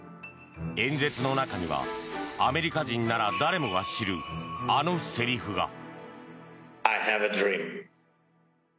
演説の中にはアメリカ人なら誰もが知るあのセリフが。